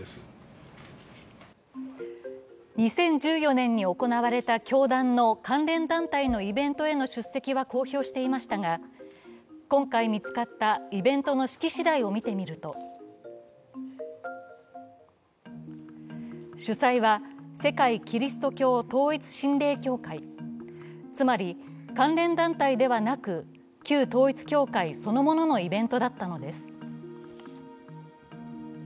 ２０１４年に行われた教団の関連団体のイベントへの出席は公表していましたが今回、見つかったイベントの式次第を見てみると主催は世界基督教統一神霊教会、つまり、関連団体ではなく、旧統一教会そのもののイベントだったのです。